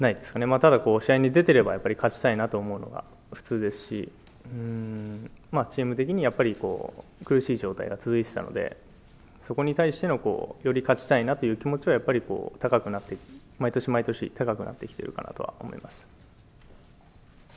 ただ、試合に出ていれば、勝ちたいなと思うのが、普通ですし、チーム的にやっぱり苦しい状態が続いていたので、そこに対してのより勝ちたいなという気持ちはやっぱり高くなっていく、毎年毎年高くなってきているかなとは思いま